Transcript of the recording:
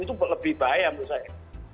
itu lebih bahaya menurut saya